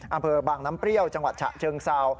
อำเภอบางน้ำเปรี้ยวจังหวัดฉะเชิงเซา